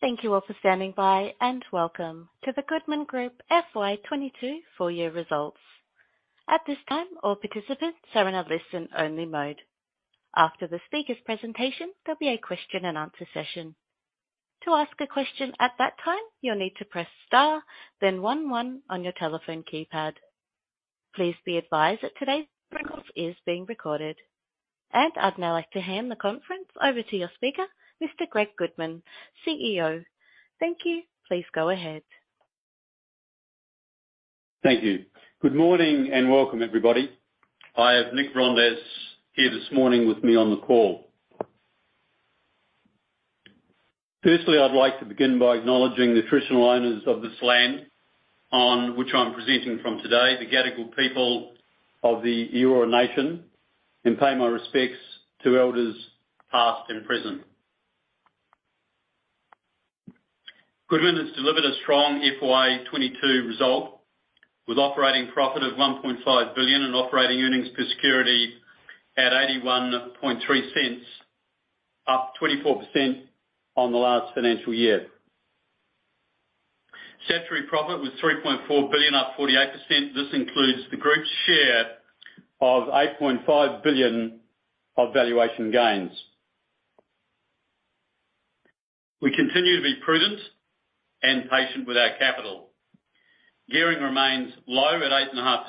Thank you all for standing by, and welcome to the Goodman Group FY 2022 full year results. At this time, all participants are in a listen-only mode. After the speaker's presentation, there'll be a question and answer session. To ask a question at that time, you'll need to press star, then one on your telephone keypad. Please be advised that today's conference is being recorded. I'd now like to hand the conference over to your speaker, Mr. Greg Goodman, CEO. Thank you. Please go ahead. Thank you. Good morning and welcome, everybody. I have Nick Vrondas here this morning with me on the call. Firstly, I'd like to begin by acknowledging the traditional owners of this land on which I'm presenting from today, the Gadigal people of the Eora Nation, and pay my respects to elders, past and present. Goodman has delivered a strong FY 2022 result with operating profit of 1.5 billion and operating earnings per security at 0.813, up 24% on the last financial year. Statutory profit was 3.4 billion, up 48%. This includes the group's share of 8.5 billion of valuation gains. We continue to be prudent and patient with our capital. Gearing remains low at 8.5%,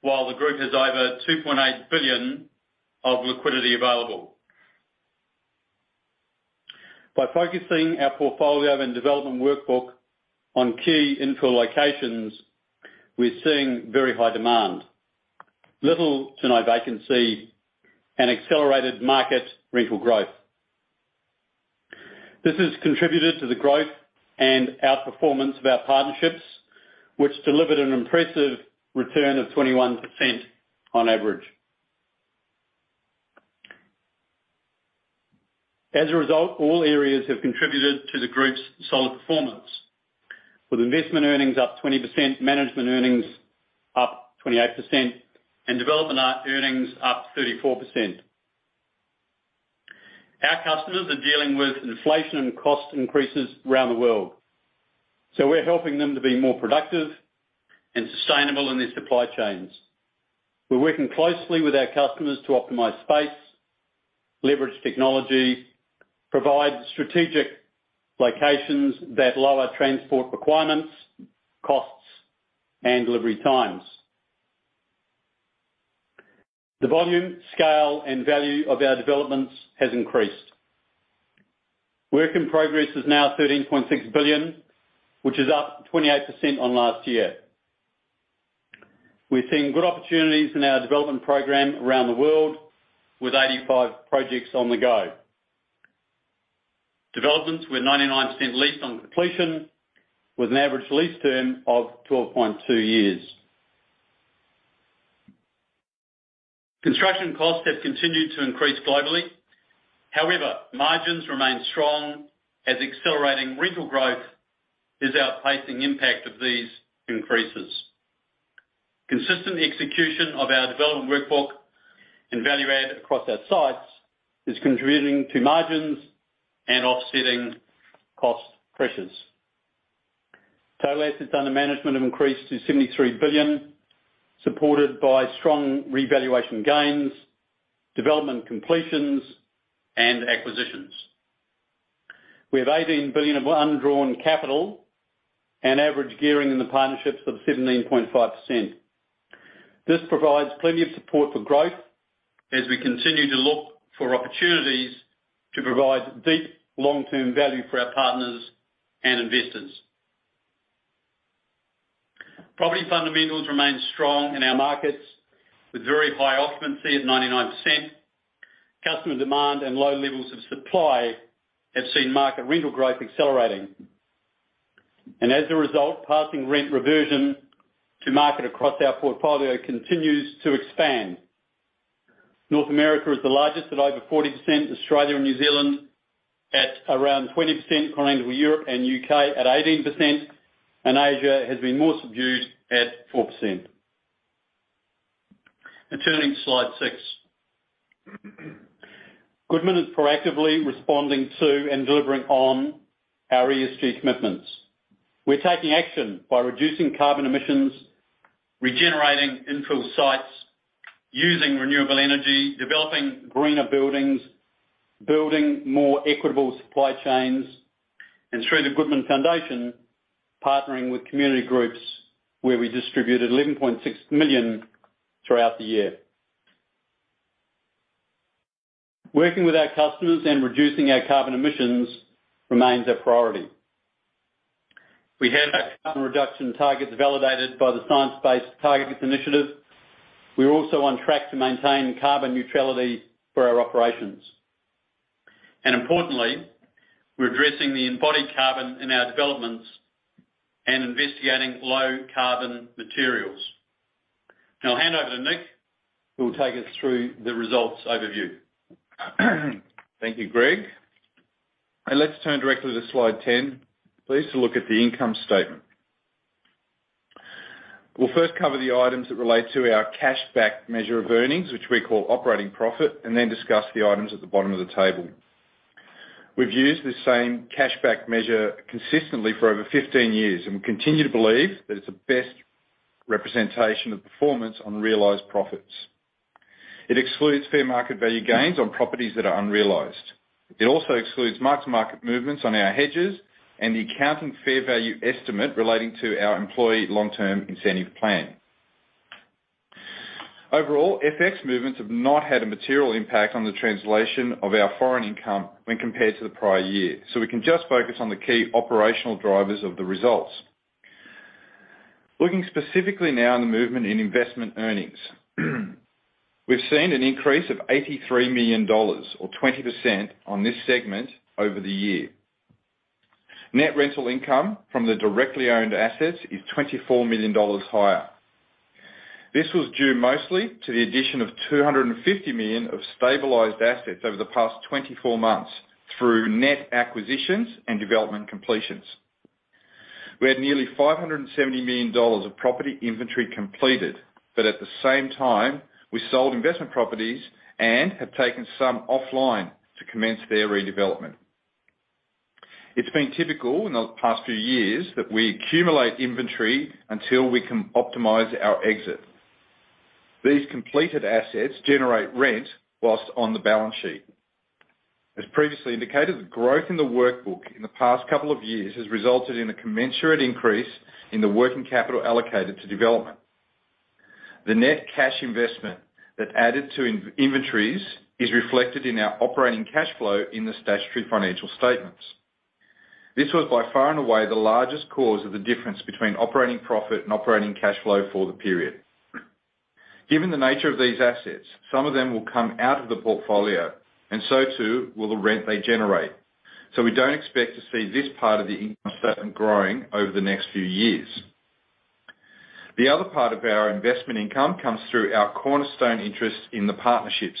while the group has over 2.8 billion of liquidity available. By focusing our portfolio and development workbook on key infill locations, we're seeing very high demand. Little to no vacancy and accelerated market rental growth. This has contributed to the growth and outperformance of our partnerships, which delivered an impressive return of 21% on average. As a result, all areas have contributed to the group's solid performance, with investment earnings up 20%, management earnings up 28%, and development earnings up 34%. Our customers are dealing with inflation and cost increases around the world, so we're helping them to be more productive and sustainable in their supply chains. We're working closely with our customers to optimize space, leverage technology, provide strategic locations that lower transport requirements, costs, and delivery times. The volume, scale, and value of our developments has increased. Work in progress is now 13.6 billion, which is up 28% on last year. We're seeing good opportunities in our development program around the world with 85 projects on the go. Developments with 99% lease on completion with an average lease term of 12.2 years. Construction costs have continued to increase globally. However, margins remain strong as accelerating rental growth is outpacing impact of these increases. Consistent execution of our development workbook and value add across our sites is contributing to margins and offsetting cost pressures. Total assets under management have increased to 73 billion, supported by strong revaluation gains, development completions, and acquisitions. We have 18 billion of undrawn capital and average gearing in the partnerships of 17.5%. This provides plenty of support for growth as we continue to look for opportunities to provide deep long-term value for our partners and investors. Property fundamentals remain strong in our markets with very high occupancy of 99%. Customer demand and low levels of supply have seen market rental growth accelerating. As a result, passing rent reversion to market across our portfolio continues to expand. North America is the largest at over 40%. Australia and New Zealand at around 20%. Continental Europe and U.K. at 18%. Asia has been more subdued at 4%. Turning to Slide. Goodman is proactively responding to and delivering on our ESG commitments. We're taking action by reducing carbon emissions, regenerating infill sites, using renewable energy, developing greener buildings, building more equitable supply chains, and through the Goodman Foundation, partnering with community groups where we distributed 11.6 million throughout the year. Working with our customers and reducing our carbon emissions remains our priority. We have our carbon reduction targets validated by the Science Based Targets initiative. We're also on track to maintain carbon neutrality for our operations. Importantly, we're addressing the embodied carbon in our developments and investigating low carbon materials. Now I'll hand over to Nick, who will take us through the results overview. Thank you, Greg. Let's turn directly to Slide 10, please, to look at the income statement. We'll first cover the items that relate to our cash-based measure of earnings, which we call operating profit, and then discuss the items at the bottom of the table. We've used this same cash-based measure consistently for over 15 years, and we continue to believe that it's the best representation of performance on realized profits. It excludes fair market value gains on properties that are unrealized. It also excludes mark-to-market movements on our hedges and the accounting fair value estimate relating to our employee long-term incentive plan. Overall, FX movements have not had a material impact on the translation of our foreign income when compared to the prior year, so we can just focus on the key operational drivers of the results. Looking specifically now in the movement in investment earnings, we've seen an increase of 83 million dollars or 20% on this segment over the year. Net rental income from the directly owned assets is 24 million dollars higher. This was due mostly to the addition of 250 million of stabilized assets over the past 24 months through net acquisitions and development completions. We had nearly 570 million dollars of property inventory completed, but at the same time, we sold investment properties and have taken some offline to commence their redevelopment. It's been typical in the past few years that we accumulate inventory until we can optimize our exit. These completed assets generate rent while on the balance sheet. As previously indicated, the growth in the workbook in the past couple of years has resulted in a commensurate increase in the working capital allocated to development. The net cash investment that added to in-inventories is reflected in our operating cash flow in the statutory financial statements. This was by far and away the largest cause of the difference between operating profit and operating cash flow for the period. Given the nature of these assets, some of them will come out of the portfolio, and so, too, will the rent they generate. We don't expect to see this part of the income growing over the next few years. The other part of our investment income comes through our Cornerstone interest in the partnerships.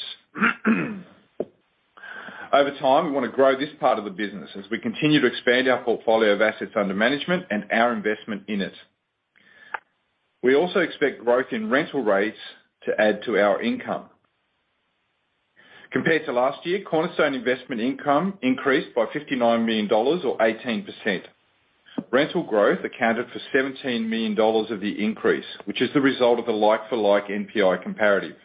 Over time, we wanna grow this part of the business as we continue to expand our portfolio of assets under management and our investment in it. We also expect growth in rental rates to add to our income. Compared to last year, Cornerstone investment income increased by 59 million dollars or 18%. Rental growth accounted for 17 million dollars of the increase, which is the result of the like-for-like NPI comparative.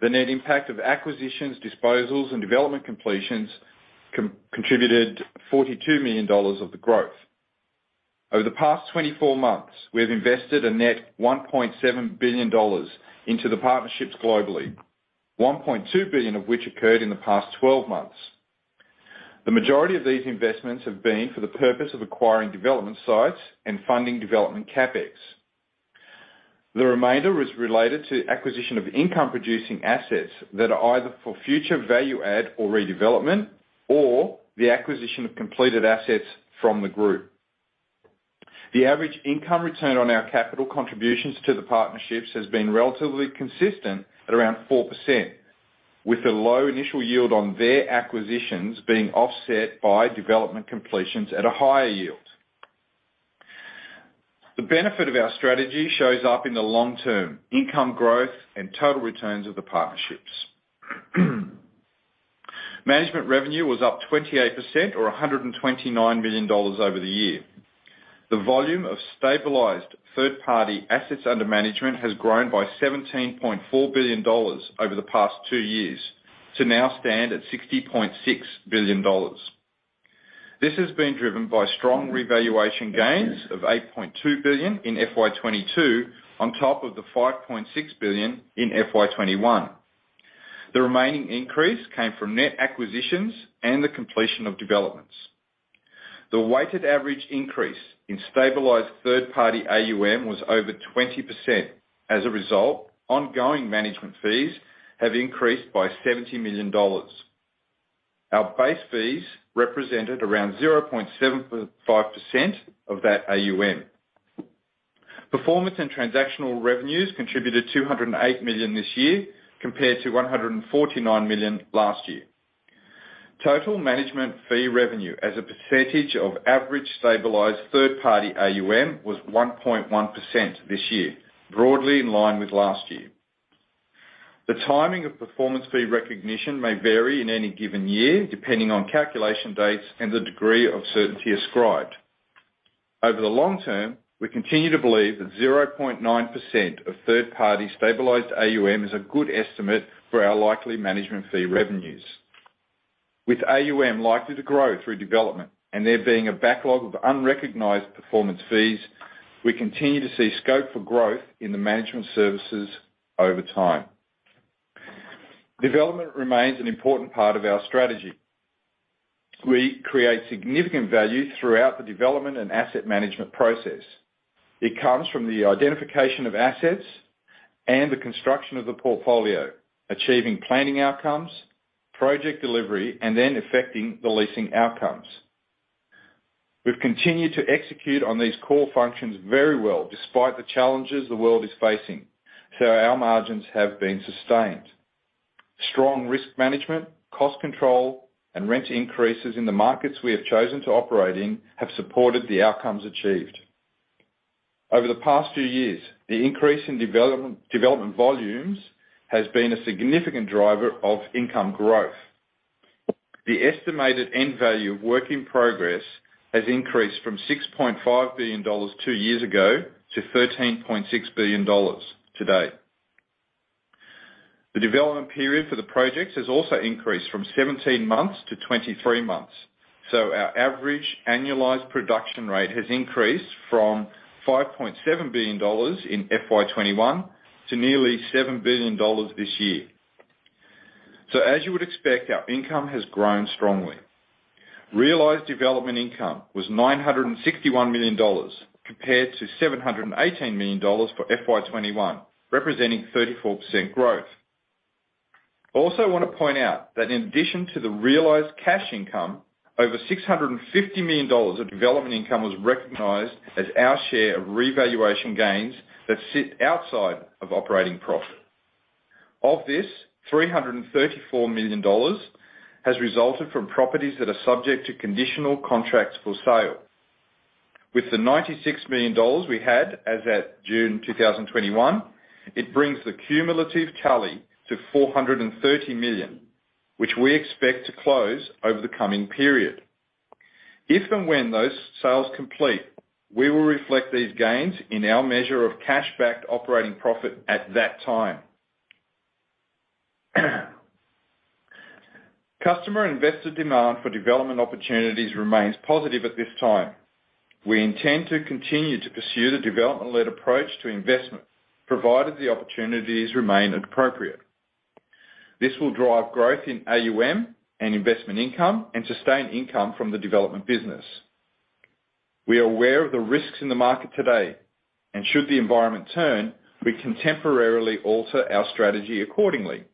The net impact of acquisitions, disposals, and development completions contributed 42 million dollars of the growth. Over the past 24 months, we have invested a net 1.7 billion dollars into the partnerships globally, 1.2 billion of which occurred in the past 12 months. The majority of these investments have been for the purpose of acquiring development sites and funding development CapEx. The remainder was related to acquisition of income-producing assets that are either for future value add or redevelopment, or the acquisition of completed assets from the group. The average income return on our capital contributions to the partnerships has been relatively consistent at around 4%, with the low initial yield on their acquisitions being offset by development completions at a higher yield. The benefit of our strategy shows up in the long term, income growth and total returns of the partnerships. Management revenue was up 28% or 129 million dollars over the year. The volume of stabilized third-party assets under management has grown by 17.4 billion dollars over the past two years to now stand at 60.6 billion dollars. This has been driven by strong revaluation gains of 8.2 billion in FY 2022 on top of the 5.6 billion in FY 2021. The remaining increase came from net acquisitions and the completion of developments. The weighted average increase in stabilized third-party AUM was over 20%. As a result, ongoing management fees have increased by 70 million dollars. Our base fees represented around 0.75% of that AUM. Performance and transactional revenues contributed 208 million this year compared to 149 million last year. Total management fee revenue as a percentage of average stabilized third-party AUM was 1.1% this year, broadly in line with last year. The timing of performance fee recognition may vary in any given year, depending on calculation dates and the degree of certainty ascribed. Over the long term, we continue to believe that 0.9% of third-party stabilized AUM is a good estimate for our likely management fee revenues. With AUM likely to grow through development and there being a backlog of unrecognized performance fees, we continue to see scope for growth in the management services over time. Development remains an important part of our strategy. We create significant value throughout the development and asset management process. It comes from the identification of assets and the construction of the portfolio, achieving planning outcomes, project delivery, and then effecting the leasing outcomes. We've continued to execute on these core functions very well despite the challenges the world is facing, so our margins have been sustained. Strong risk management, cost control, and rent increases in the markets we have chosen to operate in have supported the outcomes achieved. Over the past few years, the increase in development volumes has been a significant driver of income growth. The estimated end value of work in progress has increased from 6.5 billion dollars two years ago to 13.6 billion dollars today. The development period for the projects has also increased from 17 months to 23 months. Our average annualized production rate has increased from 5.7 billion dollars in FY 2021 to nearly 7 billion dollars this year. As you would expect, our income has grown strongly. Realized development income was AUD 961 million compared to AUD 718 million for FY 2021, representing 34% growth. Also wanna point out that in addition to the realized cash income, over 650 million dollars of development income was recognized as our share of revaluation gains that sit outside of operating profit. Of this, 334 million dollars has resulted from properties that are subject to conditional contracts for sale. With the 96 million dollars we had as at June 2021, it brings the cumulative tally to 430 million, which we expect to close over the coming period. If and when those sales complete, we will reflect these gains in our measure of cash backed operating profit at that time. Customer and investor demand for development opportunities remains positive at this time. We intend to continue to pursue the development-led approach to investment, provided the opportunities remain appropriate. This will drive growth in AUM and investment income and sustain income from the development business. We are aware of the risks in the market today, and should the environment turn, we can temporarily alter our strategy accordingly.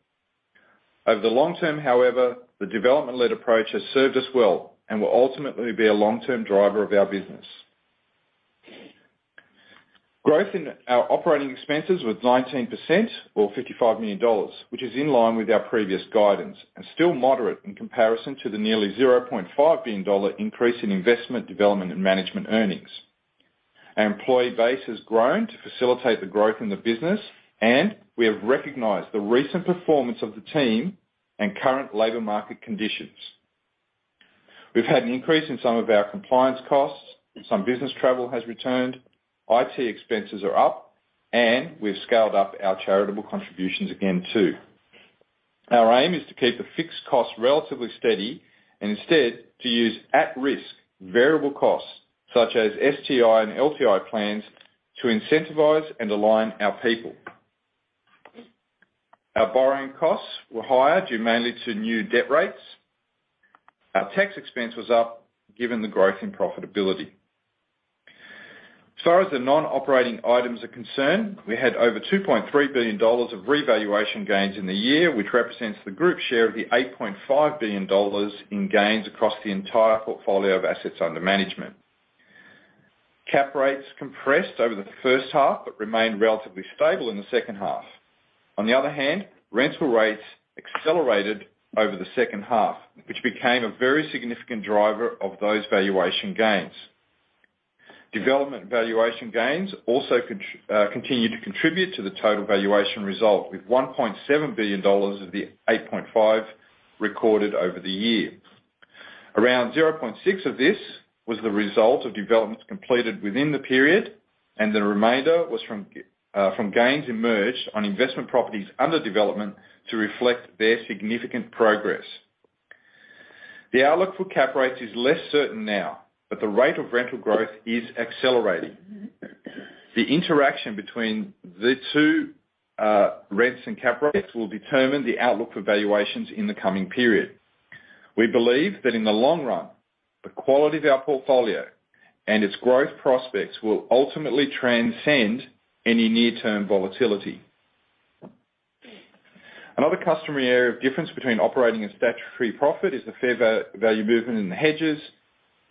Over the long term, however, the development-led approach has served us well and will ultimately be a long-term driver of our business. Growth in our operating expenses was 19% or 55 million dollars, which is in line with our previous guidance, and still moderate in comparison to the nearly 0.5 billion dollar increase in investment development and management earnings. Our employee base has grown to facilitate the growth in the business, and we have recognized the recent performance of the team and current labor market conditions. We've had an increase in some of our compliance costs, some business travel has returned, IT expenses are up, and we've scaled up our charitable contributions again too. Our aim is to keep the fixed cost relatively steady and instead to use at-risk variable costs such as STI and LTI plans to incentivize and align our people. Our borrowing costs were higher due mainly to new debt rates. Our tax expense was up given the growth in profitability. As far as the non-operating items are concerned, we had over 2.3 billion dollars of revaluation gains in the year, which represents the group share of the 8.5 billion dollars in gains across the entire portfolio of assets under management. cap rates compressed over the first half, but remained relatively stable in the second half. On the other hand, rental rates accelerated over the second half, which became a very significant driver of those valuation gains. Development valuation gains also continued to contribute to the total valuation result, with 1.7 billion dollars of the 8.5 billion recorded over the year. Around 0.6 billion of this was the result of developments completed within the period, and the remainder was from gains emerging on investment properties under development to reflect their significant progress. The outlook for cap rates is less certain now, but the rate of rental growth is accelerating. The interaction between the two, rents and cap rates will determine the outlook for valuations in the coming period. We believe that in the long run, the quality of our portfolio and its growth prospects will ultimately transcend any near-term volatility. Another customary area of difference between operating and statutory profit is the fair value movement in the hedges,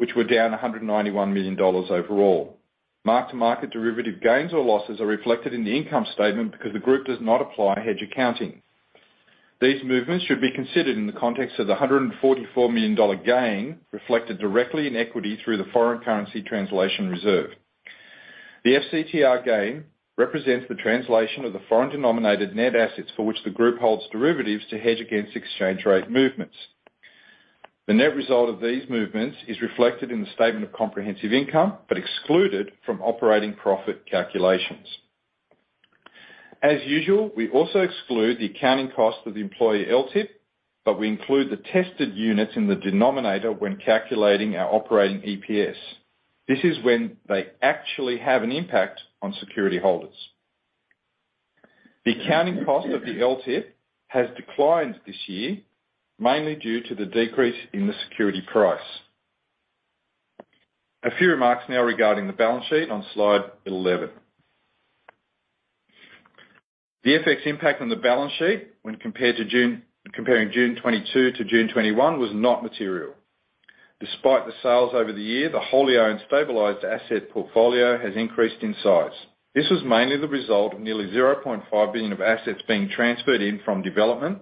which were down 191 million dollars overall. Mark-to-market derivative gains or losses are reflected in the income statement because the group does not apply hedge accounting. These movements should be considered in the context of the 144 million dollar gain reflected directly in equity through the foreign currency translation reserve. The FCTR gain represents the translation of the foreign denominated net assets for which the group holds derivatives to hedge against exchange rate movements. The net result of these movements is reflected in the statement of comprehensive income, but excluded from operating profit calculations. As usual, we also exclude the accounting cost of the employee LTIP, but we include the tested units in the denominator when calculating our operating EPS. This is when they actually have an impact on security holders. The accounting cost of the LTIP has declined this year, mainly due to the decrease in the security price. A few remarks now regarding the balance sheet on slide 11. The FX impact on the balance sheet comparing June 2022 to June 2021 was not material. Despite the sales over the year, the wholly owned stabilized asset portfolio has increased in size. This was mainly the result of nearly 0.5 billion of assets being transferred in from development,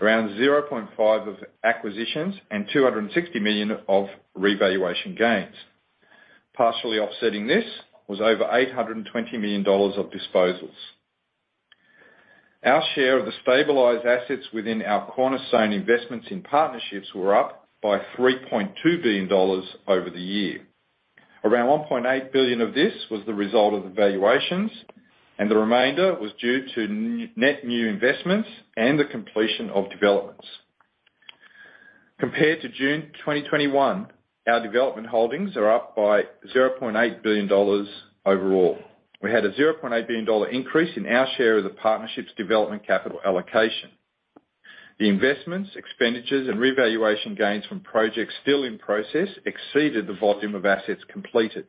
around 0.5 billion of acquisitions, and 260 million of revaluation gains. Partially offsetting this was over 820 million dollars of disposals. Our share of the stabilized assets within our cornerstone investments in partnerships were up by 3.2 billion dollars over the year. Around 1.8 billion of this was the result of the valuations, and the remainder was due to net new investments and the completion of developments. Compared to June 2021, our development holdings are up by 0.8 billion dollars overall. We had a 0.8 billion dollar increase in our share of the partnerships development capital allocation. The investments, expenditures, and revaluation gains from projects still in process exceeded the volume of assets completed.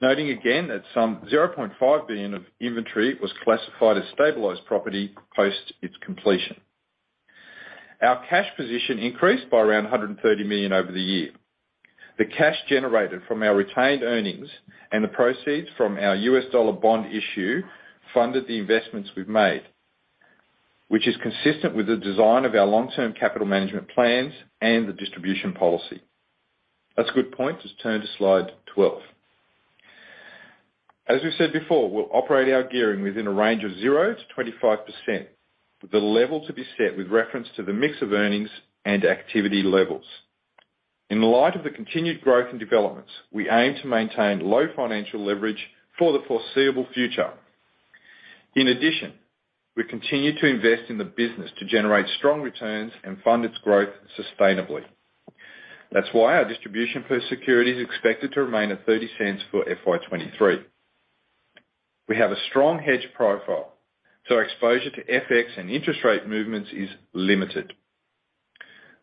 Noting again that some 0.5 billion of inventory was classified as stabilized property post its completion. Our cash position increased by around 130 million over the year. The cash generated from our retained earnings and the proceeds from our U.S. dollar bond issue funded the investments we've made, which is consistent with the design of our long-term capital management plans and the distribution policy. That's a good point. Let's turn to Slide 12. As we said before, we'll operate our gearing within a range of 0%-25%, with the level to be set with reference to the mix of earnings and activity levels. In light of the continued growth and developments, we aim to maintain low financial leverage for the foreseeable future. In addition, we continue to invest in the business to generate strong returns and fund its growth sustainably. That's why our distribution per security is expected to remain at 0.30 for FY 2023. We have a strong hedge profile, so our exposure to FX and interest rate movements is limited.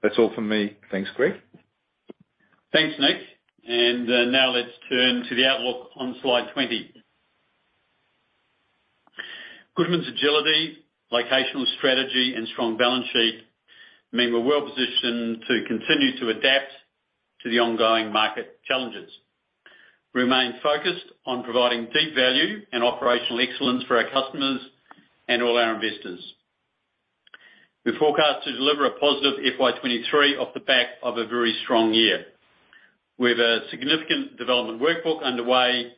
That's all for me. Thanks, Greg. Thanks, Nick. Now let's turn to the outlook on Slide 20. Goodman's agility, locational strategy, and strong balance sheet mean we're well positioned to continue to adapt to the ongoing market challenges. Remain focused on providing deep value and operational excellence for our customers and all our investors. We forecast to deliver a positive FY 2023 off the back of a very strong year. We have a significant development workbook underway,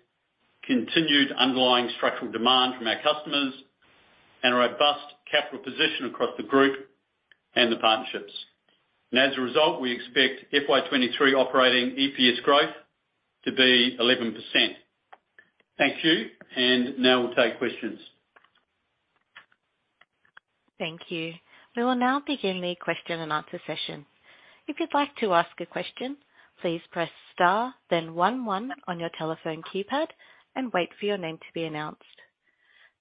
continued underlying structural demand from our customers, and a robust capital position across the group and the partnerships. As a result, we expect FY 2023 operating EPS growth to be 11%. Thank you. Now we'll take questions. Thank you. We will now begin the question-and-answer session. If you'd like to ask a question, please press star then one one on your telephone keypad and wait for your name to be announced.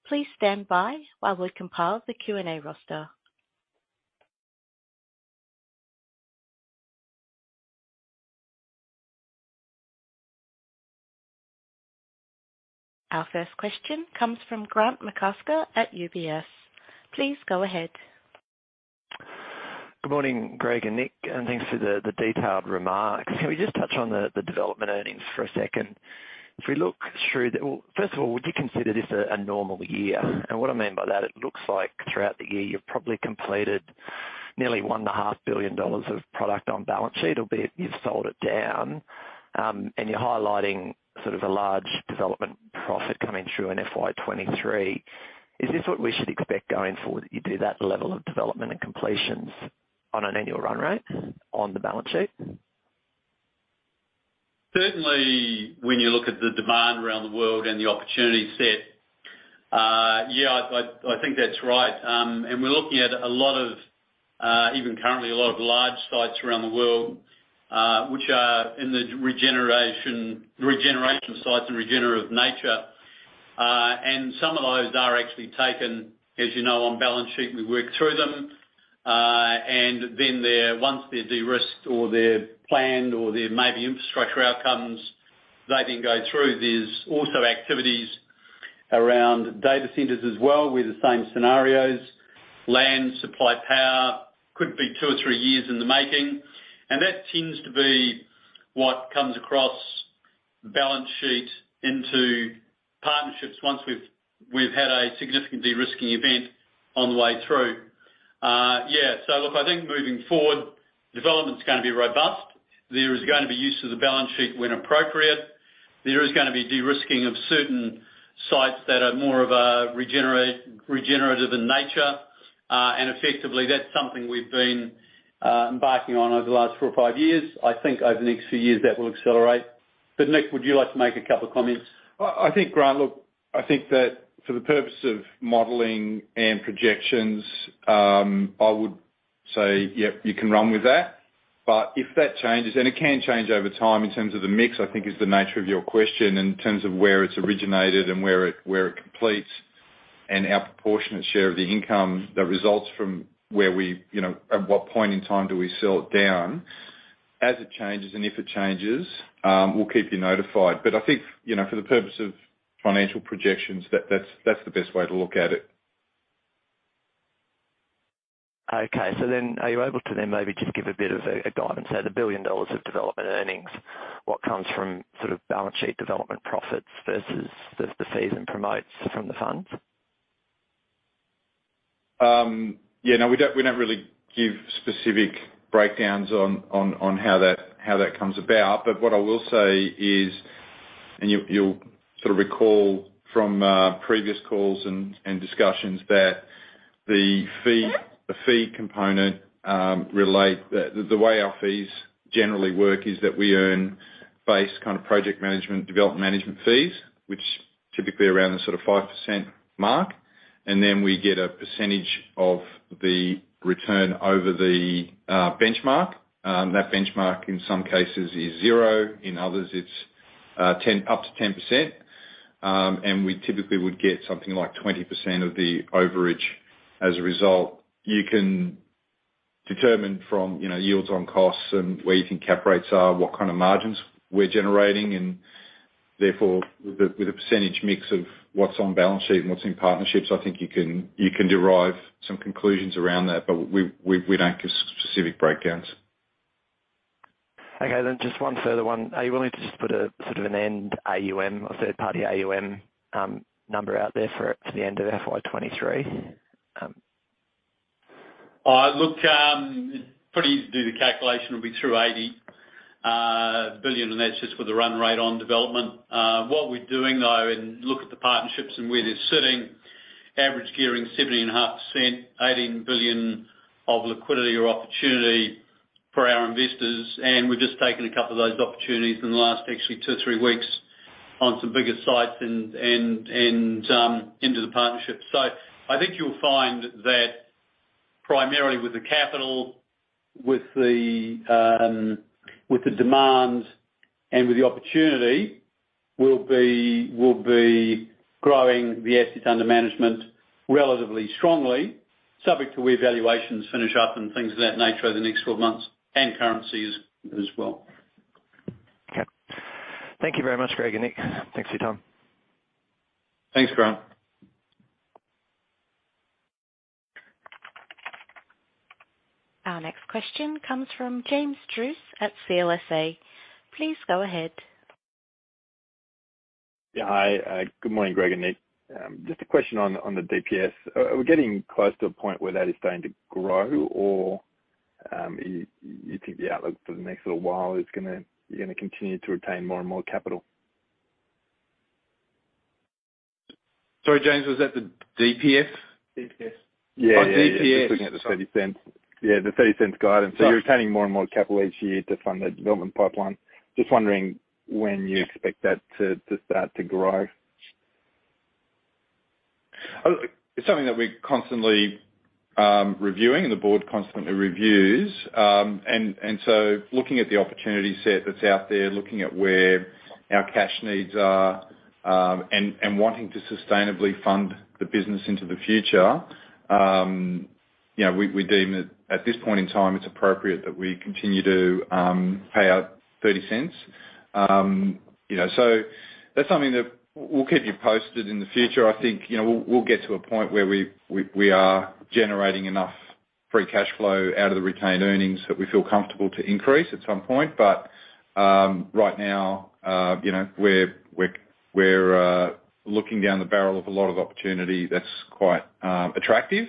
Please stand by while we compile the Q&A roster. Our first question comes from Grant McCasker at UBS. Please go ahead. Good morning, Greg and Nick, and thanks for the detailed remarks. Can we just touch on the development earnings for a second? Well, first of all, would you consider this a normal year? What I mean by that, it looks like throughout the year you've probably completed nearly 1.5 billion dollars of product on balance sheet, albeit you've sold it down, and you're highlighting sort of a large development profit coming through in FY 2023. Is this what we should expect going forward, that you do that level of development and completions on an annual run rate on the balance sheet? Certainly, when you look at the demand around the world and the opportunity set, I think that's right. We're looking at a lot of, even currently a lot of large sites around the world, which are in the regeneration sites and regenerative nature. Some of those are actually taken, as you know, on balance sheet. We work through them, and then they're, once they're de-risked or they're planned or there may be infrastructure outcomes, they then go through. There's also activities around data centers as well with the same scenarios. Land, supply power could be two or three years in the making, and that tends to be what comes across the balance sheet into partnerships once we've had a significant de-risking event on the way through. Yeah, so look, I think moving forward, development's gonna be robust. There is gonna be use of the balance sheet when appropriate. There is gonna be de-risking of certain sites that are more of a regeneration in nature, and effectively, that's something we've been embarking on over the last four or five years. I think over the next few years, that will accelerate. Nick, would you like to make a couple comments? I think, Grant, look, I think that for the purpose of modeling and projections, I would say, yep, you can run with that. If that changes, and it can change over time in terms of the mix, I think is the nature of your question, in terms of where it's originated and where it completes, and our proportionate share of the income that results from where we, you know, at what point in time do we sell it down? As it changes, and if it changes, we'll keep you notified. I think, you know, for the purpose of financial projections, that's the best way to look at it. Okay. Are you able to then maybe just give a bit of a guidance at 1 billion dollars of development earnings, what comes from sort of balance sheet development profits versus the co-promotes from the funds? Yeah. No, we don't really give specific breakdowns on how that comes about. What I will say is, you'll sort of recall from previous calls and discussions that the fee component. The way our fees generally work is that we earn base kind of project management, development management fees, which typically around the sort of 5% mark. Then we get a percentage of the return over the benchmark. That benchmark in some cases is zero, in others it's up to 10%. We typically would get something like 20% of the overage as a result. You can determine from, you know, yields on costs and where you think cap rates are, what kind of margins we're generating, and therefore the percentage mix of what's on balance sheet and what's in partnerships. I think you can derive some conclusions around that, but we don't give specific breakdowns. Just one further one. Are you willing to just put a sort of an end AUM or third party AUM number out there for the end of FY 2023? Look, it's pretty easy to do the calculation. It'll be through 80 billion, and that's just with the run rate on development. What we're doing though, look at the partnerships and where they're sitting, average gearing 70.5%, 18 billion of liquidity or opportunity for our investors. We've just taken a couple of those opportunities in the last actually two to three weeks on some bigger sites into the partnership. I think you'll find that primarily with the capital, with the demand and with the opportunity, we'll be growing the assets under management relatively strongly, subject to revaluations finish up and things of that nature over the next 12 months and currency as well. Okay. Thank you very much, Greg and Nick. Thanks for your time. Thanks, Grant. Our next question comes from James Druce at CLSA. Please go ahead. Yeah. Hi. Good morning, Greg and Nick. Just a question on the DPS. Are we getting close to a point where that is going to grow or you think the outlook for the next little while is gonna, you're gonna continue to retain more and more capital? Sorry, James. Was that the DPS? DPS. Oh, DPS. Yeah. Just looking at the 0.30. Yeah, the 0.30 guidance. You're retaining more and more capital each year to fund the development pipeline. Just wondering when you expect that to start to grow. It's something that we're constantly reviewing and the board constantly reviews. Looking at the opportunity set that's out there, looking at where our cash needs are, and wanting to sustainably fund the business into the future, you know, we deem that at this point in time, it's appropriate that we continue to pay out 0.30. You know, that's something that we'll keep you posted in the future. I think, you know, we'll get to a point where we are generating enough free cash flow out of the retained earnings that we feel comfortable to increase at some point. Right now, you know, we're looking down the barrel of a lot of opportunity that's quite attractive.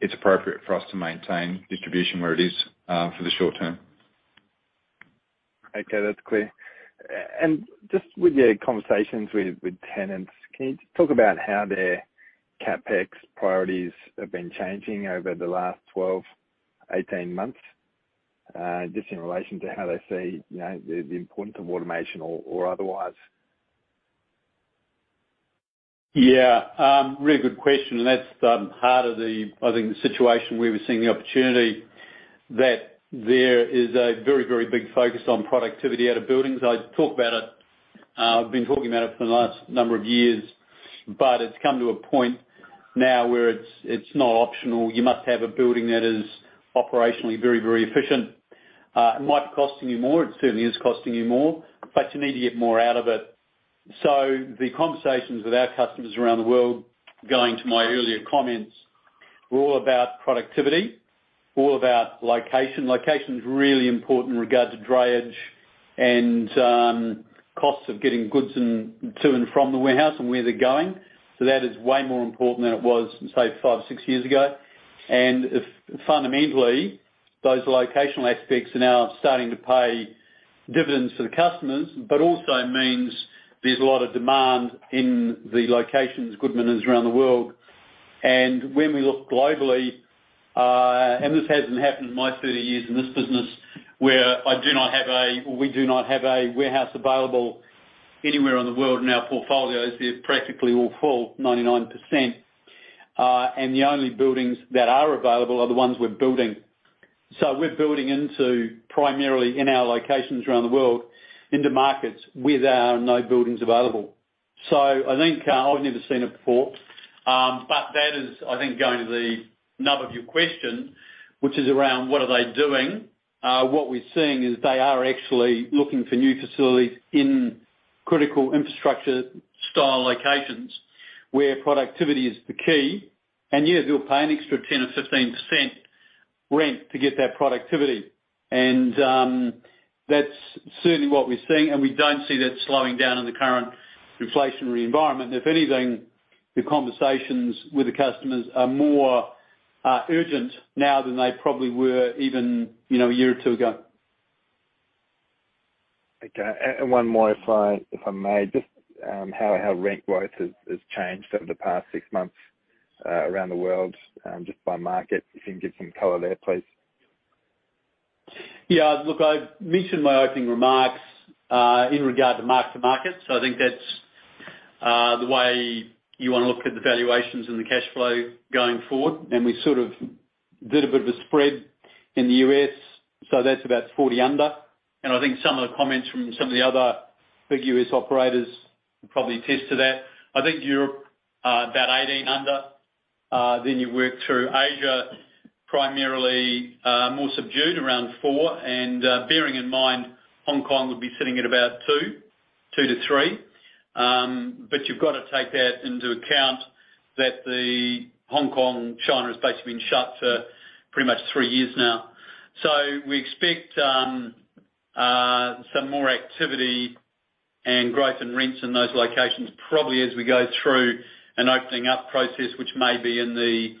It's appropriate for us to maintain distribution where it is, for the short term. Okay. That's clear. Just with your conversations with tenants, can you just talk about how their CapEx priorities have been changing over the last 12-18 months, just in relation to how they see, you know, the importance of automation or otherwise? Yeah. Really good question, and that's part of the, I think the situation where we're seeing the opportunity that there is a very, very big focus on productivity out of buildings. I talk about it, I've been talking about it for the last number of years, but it's come to a point now where it's not optional. You must have a building that is operationally very, very efficient. It might be costing you more. It certainly is costing you more, but you need to get more out of it. The conversations with our customers around the world, going back to my earlier comments, were all about productivity, all about location. Location is really important in regards to drayage and costs of getting goods into and from the warehouse and where they're going. That is way more important than it was, say, five, six years ago. If fundamentally those locational aspects are now starting to pay dividends for the customers, but also means there's a lot of demand in the locations Goodman is around the world. When we look globally, and this hasn't happened in my 30 years in this business. We do not have a warehouse available anywhere in the world in our portfolios. They're practically all full, 99%. The only buildings that are available are the ones we're building. We're building into primarily in our locations around the world into markets where there are no buildings available. I think, I've never seen it before. That is, I think, going to the nub of your question, which is around what are they doing? What we're seeing is they are actually looking for new facilities in critical infrastructure style locations where productivity is the key. Yes, you'll pay an extra 10%-15% rent to get that productivity. That's certainly what we're seeing, and we don't see that slowing down in the current inflationary environment. If anything, the conversations with the customers are more urgent now than they probably were even a year or two ago. Okay. One more if I may. Just how rent growth has changed over the past six months around the world just by market. If you can give some color there, please. Yeah. Look, I mentioned my opening remarks in regard to mark-to-market. I think that's the way you wanna look at the valuations and the cash flow going forward. We sort of did a bit of a spread in the U.S., so that's about 40 under. I think some of the comments from some of the other big U.S. operators would probably attest to that. I think Europe about 18 under. You work through Asia, primarily, more subdued around four. Bearing in mind, Hong Kong would be sitting at about two to three. You've gotta take that into account that the Hong Kong, China has basically been shut for pretty much three years now. We expect some more activity and growth in rents in those locations, probably as we go through an opening up process, which may be in the,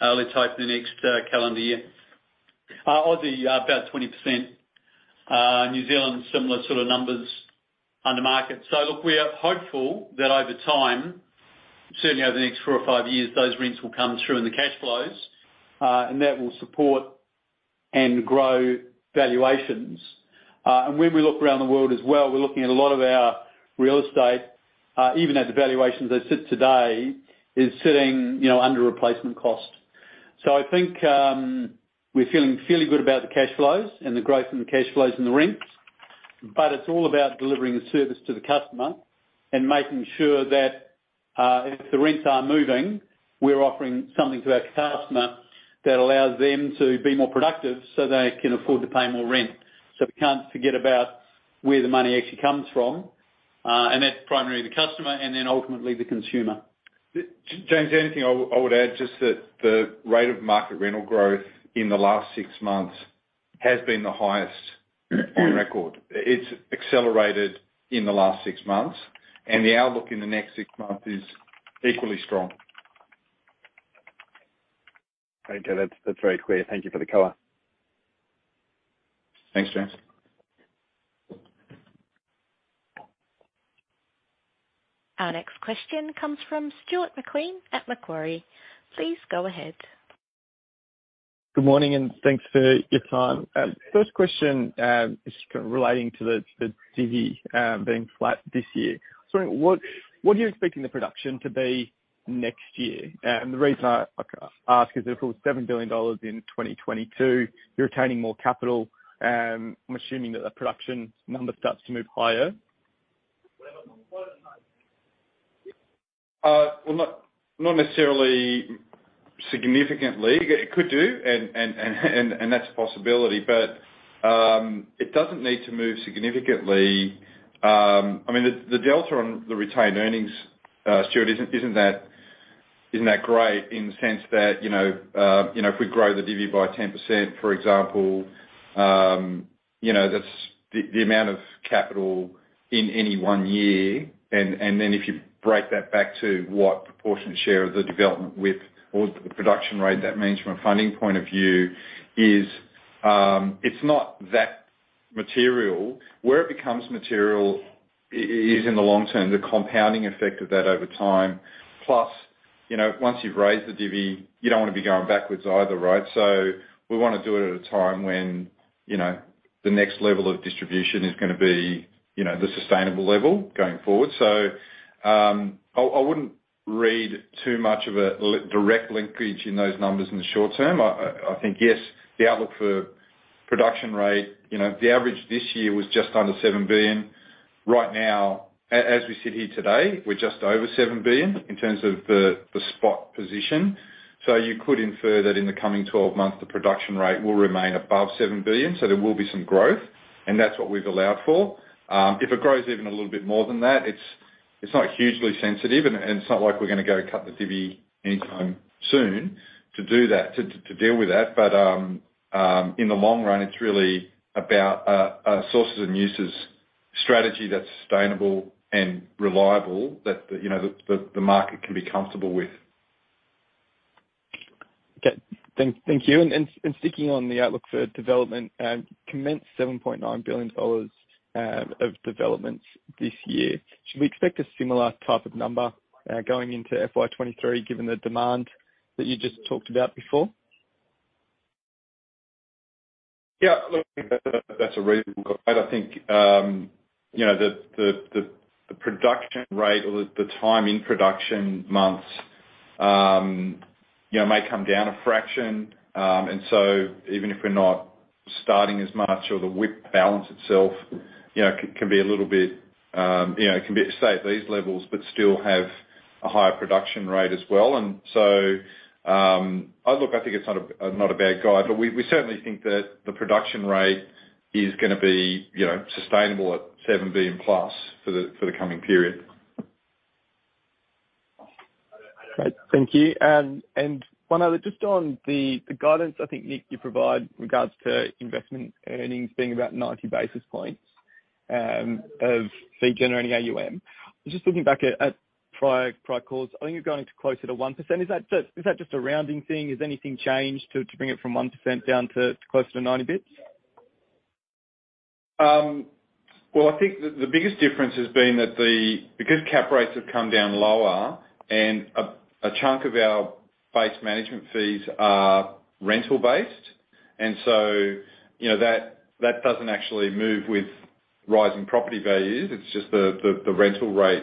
let's hope in the next calendar year. Aussie, about 20%. New Zealand, similar sort of numbers on the market. Look, we are hopeful that over time, certainly over the next four or five years, those rents will come through in the cash flows, and that will support and grow valuations. When we look around the world as well, we're looking at a lot of our real estate, even at the valuations they sit today, is sitting, you know, under replacement cost. I think, we're feeling fairly good about the cash flows and the growth in the cash flows and the rents, but it's all about delivering the service to the customer and making sure that, if the rents are moving, we're offering something to our customer that allows them to be more productive, so they can afford to pay more rent. We can't forget about where the money actually comes from, and that's primarily the customer and then ultimately the consumer. James, the only thing I would add just that the rate of market rental growth in the last six months has been the highest on record. It's accelerated in the last six months, and the outlook in the next six months is equally strong. Okay. That's very clear. Thank you for the color. Thanks, James. Our next question comes from Stuart McLean at Macquarie. Please go ahead. Good morning, and thanks for your time. First question is kind of relating to the divvy being flat this year. What are you expecting the production to be next year? The reason I ask is it was 7 billion dollars in 2022. You're retaining more capital, I'm assuming that the production number starts to move higher. Well, not necessarily significantly. It could do and that's a possibility, but it doesn't need to move significantly. I mean, the delta on the retained earnings, Stuart, isn't that great in the sense that, you know, you know, if we grow the divvy by 10%, for example, you know, that's the amount of capital in any one year. Then if you break that back to what proportion of share of the development with or the production rate, that means from a funding point of view is, it's not that material. Where it becomes material is in the long term, the compounding effect of that over time. Plus, you know, once you've raised the divvy, you don't wanna be going backwards either, right? We wanna do it at a time when, you know, the next level of distribution is gonna be, you know, the sustainable level going forward. I think, yes, the outlook for production rate, you know, the average this year was just under 7 billion. Right now, as we sit here today, we're just over 7 billion in terms of the spot position. You could infer that in the coming 12 months, the production rate will remain above 7 billion. There will be some growth, and that's what we've allowed for. If it grows even a little bit more than that, it's not hugely sensitive and it's not like we're gonna go cut the divvy anytime soon to do that, to deal with that. In the long run, it's really about a sources and uses strategy that's sustainable and reliable that the you know the market can be comfortable with. Okay. Thank you. Sticking on the outlook for development, commenced 7.9 billion dollars of development this year. Should we expect a similar type of number, going into FY 2023, given the demand that you just talked about before? Yeah. Look, that's a reasonable guide. I think, you know, the production rate or the time in production months, you know, may come down a fraction. Even if we're not starting as much or the WIP balance itself, you know, can be a little bit, you know, can be say at these levels, but still have a higher production rate as well. Look, I think it's not a bad guide, but we certainly think that the production rate is gonna be, you know, sustainable at 7 billion+ for the coming period. Great. Thank you. And one other, just on the guidance, I think, Nick, you provide in regards to investment earnings being about 90 basis points of fee generating AUM. I was just looking back at prior calls. I think you're going closer to 1%. Is that just a rounding thing? Has anything changed to bring it from 1% down to closer to 90 basis points? Well, I think the biggest difference has been that the cap rates have come down lower and a chunk of our base management fees are rental-based. You know, that doesn't actually move with rising property values. It's just the rental rate.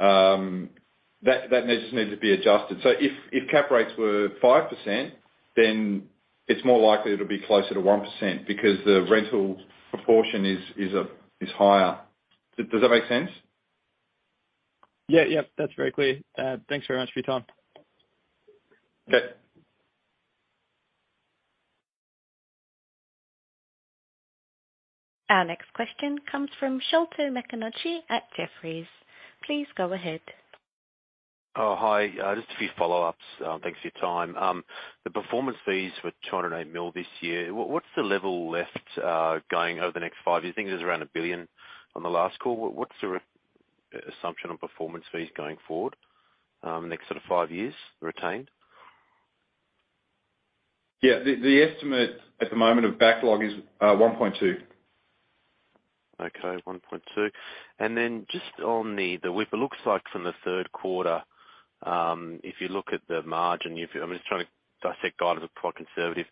That needs to be adjusted. If cap rates were 5%, then it's more likely it'll be closer to 1% because the rental proportion is higher. Does that make sense? Yeah. Yeah. That's very clear. Thanks very much for your time. Okay. Our next question comes from Sholto Maconochie at Jefferies. Please go ahead. Oh, hi. Just a few follow-ups. Thanks for your time. The performance fees were 208 million this year. What's the level left going over the next five years? I think it was around 1 billion on the last call. What's your assumption on performance fees going forward, next sort of five years retained? Yeah. The estimate at the moment of backlog is 1.2. Okay, 1.2%. Just on the WIP, it looks like from the third quarter, if you look at the margin, I'm just trying to dissect guidance, quite conservative.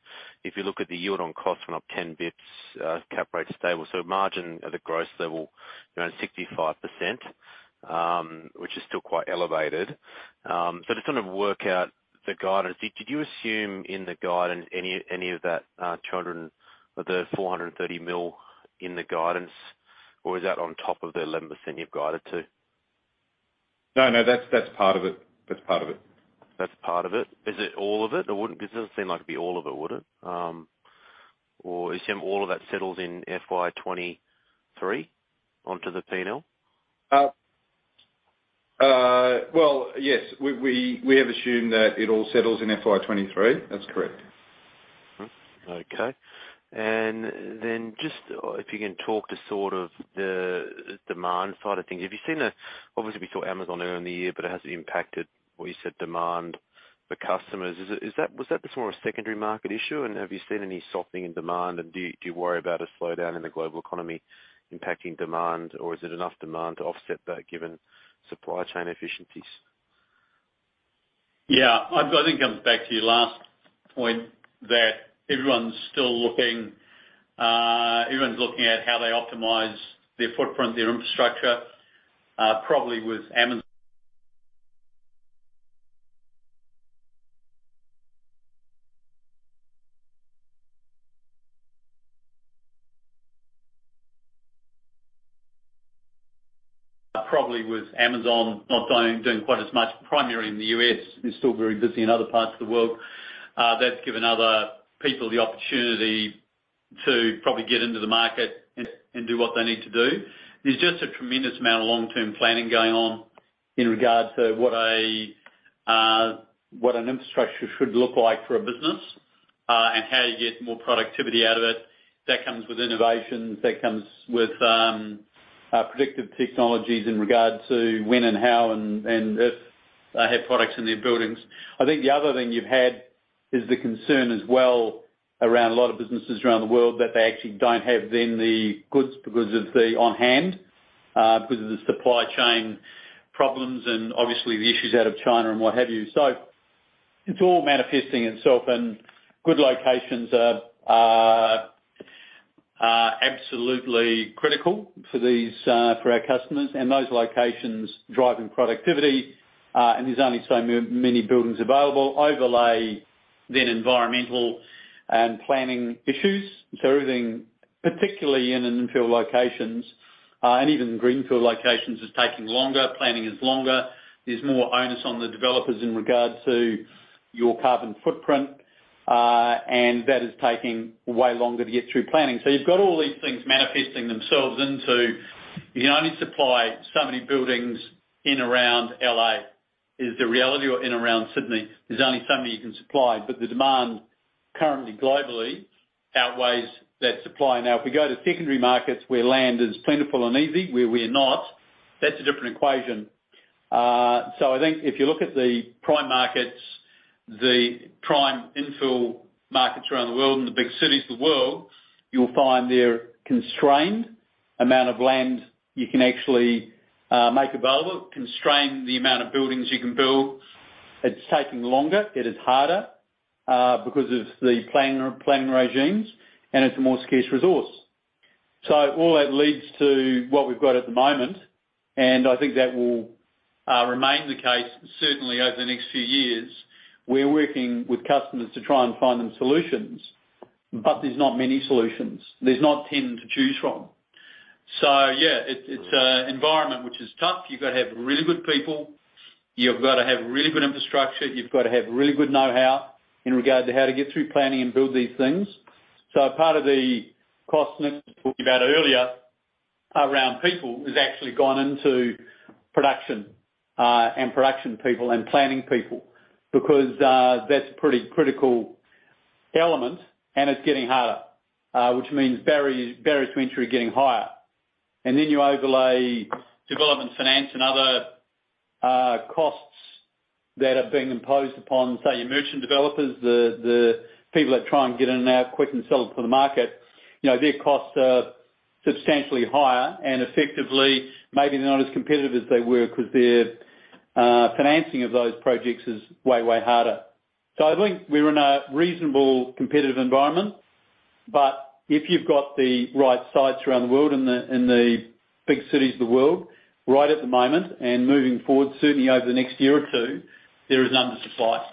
If you look at the yield on cost of 10 basis points, cap rate's stable, so margin at the gross level around 65%, which is still quite elevated. To kind of work out the guidance, did you assume in the guidance any of that, the 430 million in the guidance, or is that on top of the 11% you've guided to? No, that's part of it. That's part of it. That's part of it. Is it all of it? It wouldn't because it doesn't seem like it'd be all of it, would it? Or assume all of that settles in FY 2023 onto the P&L? Well, yes. We have assumed that it all settles in FY 2023. That's correct. Okay. Just if you can talk to sort of the demand side of things. Have you seen obviously we saw Amazon earlier in the year, but it hasn't impacted what you said demand for customers. Is that was that just more a secondary market issue, and have you seen any softening in demand? Do you worry about a slowdown in the global economy impacting demand, or is it enough demand to offset that given supply chain efficiencies? Yeah. I think it comes back to your last point, that everyone's still looking, everyone's looking at how they optimize their footprint, their infrastructure, probably with Amazon, probably with Amazon not doing quite as much, primarily in the U.S., it's still very busy in other parts of the world. That's given other people the opportunity to probably get into the market and do what they need to do. There's just a tremendous amount of long-term planning going on in regards to what an infrastructure should look like for a business, and how you get more productivity out of it. That comes with innovations, that comes with predictive technologies in regards to when and how and if they have products in their buildings. I think the other thing you've had is the concern as well around a lot of businesses around the world that they actually don't have the goods on hand because of the supply chain problems and obviously the issues out of China and what have you. It's all manifesting itself and good locations are absolutely critical for these for our customers and those locations driving productivity. There's only so many buildings available. Overlay then environmental and planning issues. Everything, particularly in infill locations, and even greenfield locations is taking longer, planning is longer. There's more onus on the developers in regards to your carbon footprint, and that is taking way longer to get through planning. You've got all these things manifesting themselves into you can only supply so many buildings in and around L.A. is the reality or in and around Sydney. There's only so many you can supply, but the demand currently globally outweighs that supply. Now, if we go to secondary markets where land is plentiful and easy, where we're not, that's a different equation. I think if you look at the prime markets, the prime infill markets around the world and the big cities of the world, you'll find they're constrained. Amount of land you can actually make available constrain the amount of buildings you can build. It's taking longer. It is harder because of the planning regimes, and it's a more scarce resource. All that leads to what we've got at the moment, and I think that will remain the case certainly over the next few years. We're working with customers to try and find them solutions. But there's not many solutions. There's not 10 to choose from. Yeah, it's an environment which is tough. You've got to have really good people. You've got to have really good infrastructure. You've got to have really good know-how in regard to how to get through planning and build these things. Part of the cost Nick was talking about earlier around people has actually gone into production and production people and planning people because that's a pretty critical element and it's getting harder, which means barriers to entry are getting higher. You overlay development, finance and other costs that are being imposed upon, say, your merchant developers, the people that try and get in and out quick and sell it to the market. You know, their costs are substantially higher and effectively, maybe they're not as competitive as they were because their financing of those projects is way harder. I think we're in a reasonable competitive environment. If you've got the right sites around the world in the big cities of the world right at the moment and moving forward, certainly over the next year or two, there is an undersupply.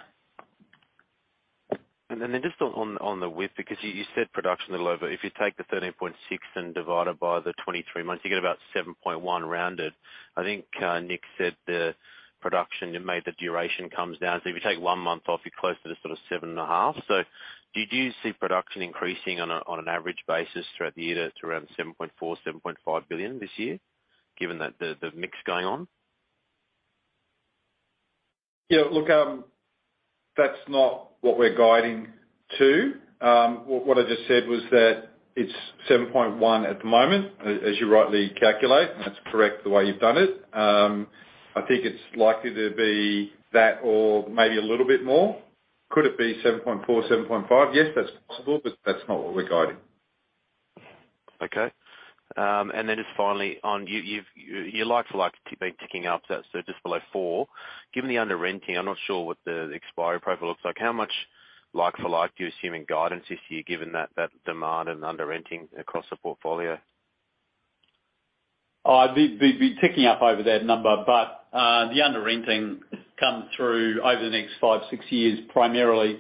Just on the width, because you said production a little over. If you take the 13.6 and divide it by the 23 months, you get about 7.1 rounded. I think Nick said the production meant the duration comes down. If you take one month off, you're close to the sort of 7.5. Do you see production increasing on an average basis throughout the year to around 7.4 billion-7.5 billion this year, given that the mix going on? Yeah, look, that's not what we're guiding to. What I just said was that it's 7.1 at the moment, as you rightly calculate, and that's correct the way you've done it. I think it's likely to be that or maybe a little bit more. Could it be 7.4, 7.5? Yes, that's possible, but that's not what we're guiding. Okay. Just finally, on your like-for-like have been ticking up. Just below 4%. Given the re-renting, I'm not sure what the expiry profile looks like. How much like-for-like you assume in guidance this year, given that demand and re-renting across the portfolio? Oh, it'd be ticking up over that number, but the under renting comes through over the next five to six years, primarily,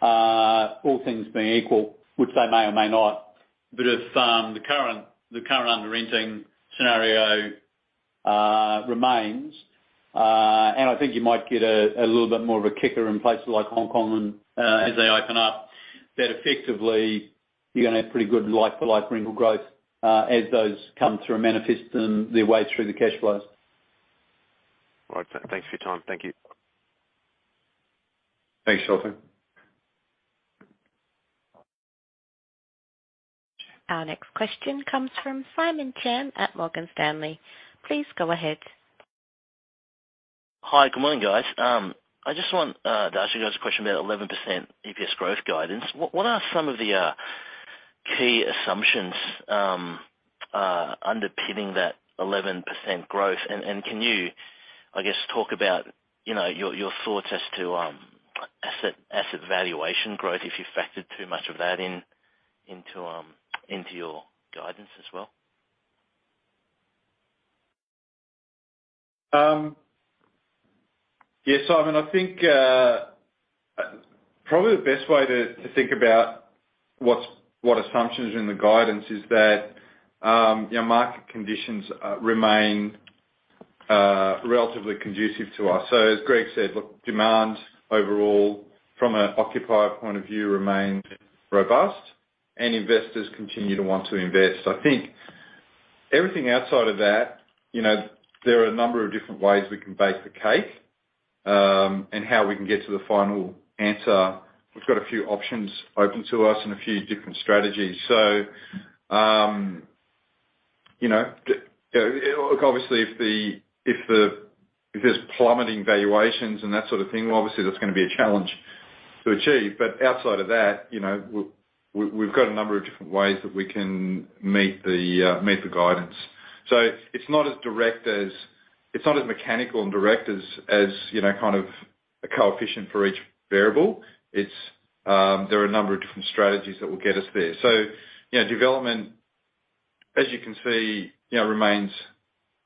all things being equal, which they may or may not. If the current under renting scenario remains, and I think you might get a little bit more of a kicker in places like Hong Kong and as they open up, that effectively you're gonna have pretty good like-for-like rental growth, as those come through and manifest their way through the cash flows. All right. Thanks for your time. Thank you. Thanks, Sholto Maconochie. Our next question comes from Simon Chan at Morgan Stanley. Please go ahead. Hi. Good morning, guys. I just want to ask you guys a question about 11% EPS growth guidance. What are some of the key assumptions underpinning that 11% growth? Can you, I guess, talk about, you know, your thoughts as to asset valuation growth, if you factored too much of that in, into your guidance as well? Yes, Simon, I think probably the best way to think about what assumptions in the guidance is that, you know, market conditions remain relatively conducive to us. As Greg said, look, demand overall from an occupier point of view remains robust and investors continue to want to invest. I think everything outside of that, you know, there are a number of different ways we can bake the cake, and how we can get to the final answer. We've got a few options open to us and a few different strategies. You know, obviously, if there's plummeting valuations and that sort of thing, well, obviously that's gonna be a challenge to achieve. Outside of that, you know, we've got a number of different ways that we can meet the guidance. It's not as mechanical and direct as you know kind of a coefficient for each variable. It's there are a number of different strategies that will get us there. Development, as you can see, you know remains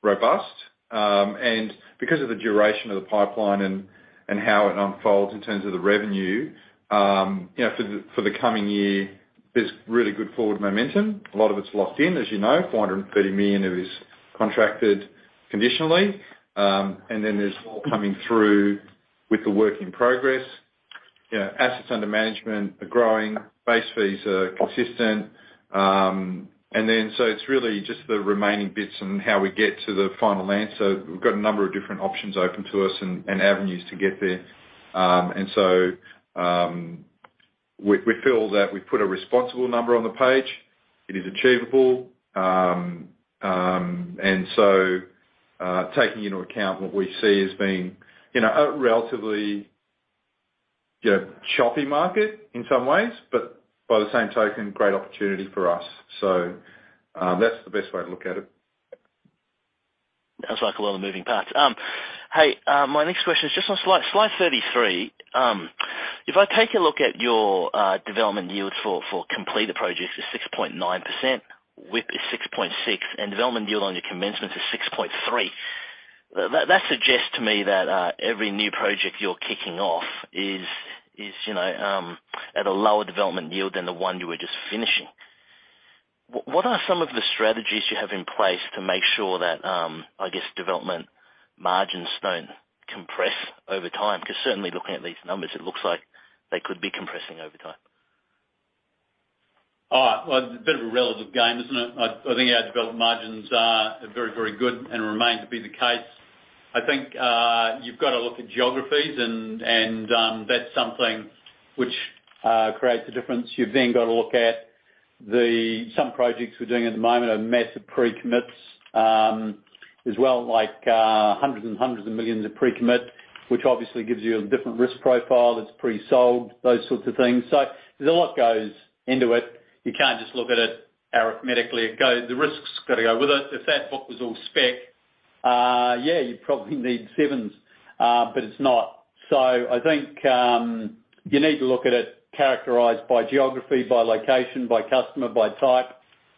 robust. Because of the duration of the pipeline and how it unfolds in terms of the revenue, you know for the coming year, there's really good forward momentum. A lot of it's locked in. As you know, 430 million of it is contracted conditionally. There's more coming through with the work in progress. Assets under management are growing, base fees are consistent. It's really just the remaining bits and how we get to the final answer. We've got a number of different options open to us and avenues to get there. We feel that we've put a responsible number on the page. It is achievable. Taking into account what we see as being, you know, a relatively, you know, choppy market in some ways, but by the same token, great opportunity for us. That's the best way to look at it. Sounds like a lot of moving parts. Hey, my next question is just on slide 33. If I take a look at your development yield for completed projects is 6.9%, WIP is 6.6%, and development yield on your commencements is 6.3%. That suggests to me that every new project you're kicking off is, you know, at a lower development yield than the one you were just finishing. What are some of the strategies you have in place to make sure that, I guess, development margins don't compress over time? Because certainly looking at these numbers, it looks like they could be compressing over time. All right. Well, it's a bit of a relative game, isn't it? I think our development margins are very good and remain to be the case. I think you've got to look at geographies and that's something which creates a difference. You've then got to look at some projects we're doing at the moment are massive pre-commits, as well, like, hundreds and hundreds of millions of pre-commits, which obviously gives you a different risk profile that's pre-sold, those sorts of things. There's a lot goes into it. You can't just look at it arithmetically. The risk's got to go with it. If that book was all spec, yeah, you'd probably need sevens. It's not. I think you need to look at it characterized by geography, by location, by customer, by type,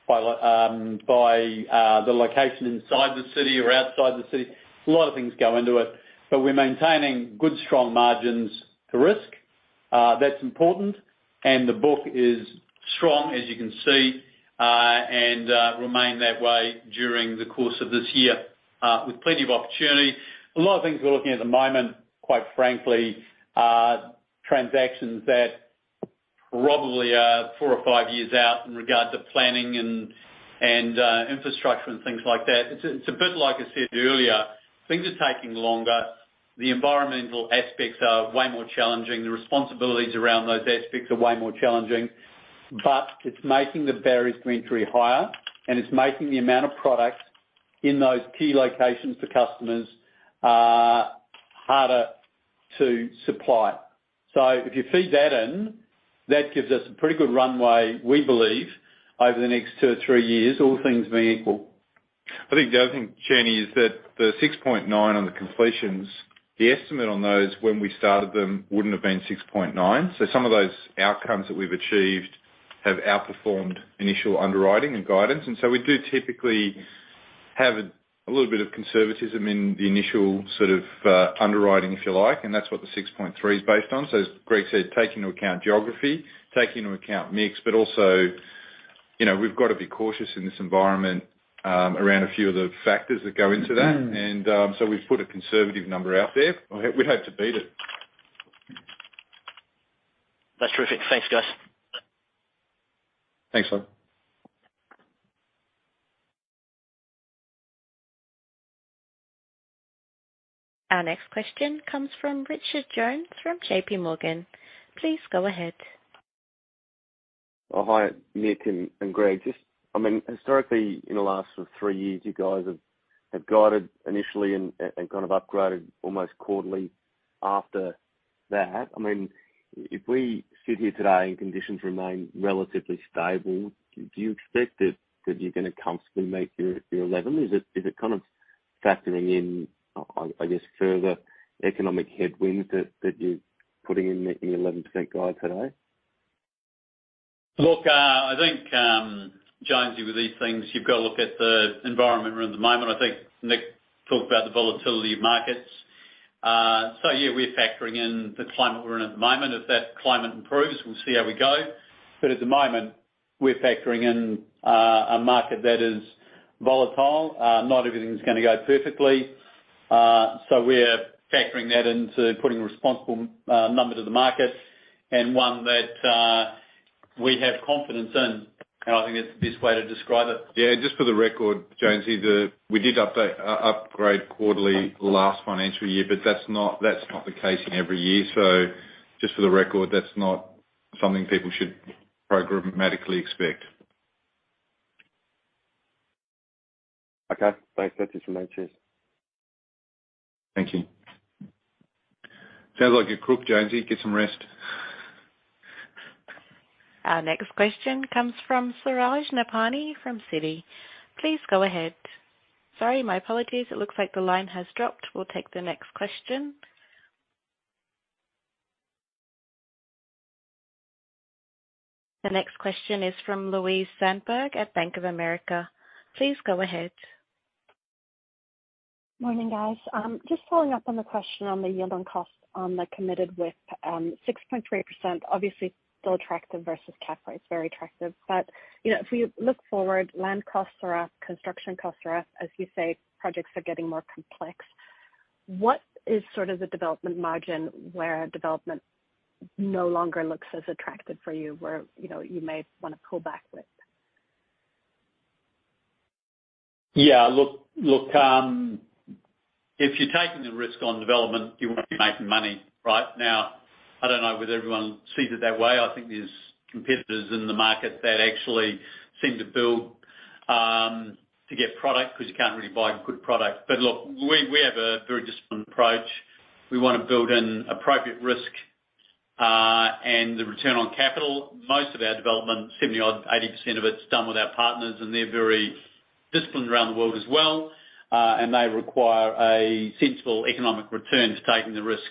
by the location inside the city or outside the city. A lot of things go into it, but we're maintaining good, strong margins to risk. That's important. The book is strong, as you can see, and remain that way during the course of this year, with plenty of opportunity. A lot of things we're looking at the moment, quite frankly, are transactions that probably are four or five years out in regards of planning and infrastructure and things like that. It's a bit like I said earlier, things are taking longer. The environmental aspects are way more challenging. The responsibilities around those aspects are way more challenging. It's making the barriers to entry higher, and it's making the amount of product in those key locations to customers, harder to supply. If you feed that in, that gives us a pretty good runway, we believe, over the next two or three years, all things being equal. I think the other thing, Simon, is that the 6.9% on the completions, the estimate on those when we started them wouldn't have been 6.9%. Some of those outcomes that we've achieved have outperformed initial underwriting and guidance. We do typically have a little bit of conservatism in the initial sort of underwriting, if you like, and that's what the 6.3% is based on. As Greg said, take into account geography, take into account mix, but also, you know, we've got to be cautious in this environment around a few of the factors that go into that. We've put a conservative number out there. We'd hope to beat it. That's terrific. Thanks, guys. Thanks, Simon. Our next question comes from Richard Jones from J.P. Morgan. Please go ahead. Oh, hi, Nick and Greg. Just, I mean, historically, in the last three years, you guys have guided initially and kind of upgraded almost quarterly after that. I mean, if we sit here today and conditions remain relatively stable, do you expect that you're gonna comfortably make your 11? Is it kind of factoring in, I guess, further economic headwinds that you're putting in the 11% guide today? Look, I think, Jones, with these things, you've got to look at the environment we're in at the moment. I think Nick talked about the volatility of markets. Yeah, we're factoring in the climate we're in at the moment. If that climate improves, we'll see how we go. At the moment, we're factoring in a market that is volatile. Not everything is gonna go perfectly. We're factoring that into putting responsible numbers to the market and one that we have confidence in. I think that's the best way to describe it. Yeah, just for the record, Jones, we did upgrade quarterly last financial year, but that's not the case in every year. Just for the record, that's not something people should programmatically expect. Okay. Thanks. That's it from me. Cheers. Thank you. Sounds like you're cooked, Jones. Get some rest. Our next question comes from Suraj Nebhani from Citi. Please go ahead. Sorry, my apologies. It looks like the line has dropped. We'll take the next question. The next question is from Louise Sundberg at Bank of America. Please go ahead. Morning, guys. Just following up on the question on the yield on costs on the committed WIP. 6.3% obviously still attractive versus CapEx. Very attractive. You know, if we look forward, land costs are up, construction costs are up. As you say, projects are getting more complex. What is sort of the development margin where development no longer looks as attractive for you, where, you know, you may wanna pull back with? Yeah, look, if you're taking a risk on development, you wanna be making money. Right? Now, I don't know whether everyone sees it that way. I think there's competitors in the market that actually seem to build to get product because you can't really buy good product. But look, we have a very disciplined approach. We wanna build in appropriate risk and the return on capital. Most of our development, 70-odd%, 80% of it's done with our partners, and they're very disciplined around the world as well and they require a sensible economic return to taking the risk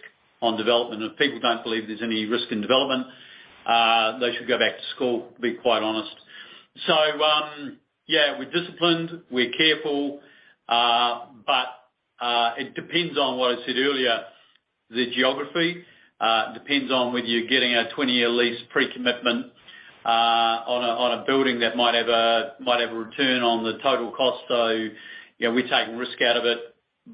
on development. If people don't believe there's any risk in development, they should go back to school, to be quite honest. Yeah, we're disciplined, we're careful. It depends on what I said earlier. The geography depends on whether you're getting a 20-year lease pre-commitment on a building that might have a return on the total cost. You know, we take risk out of it